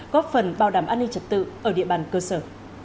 góp phần bảo đảm an ninh trật tự ở địa bàn cơ sở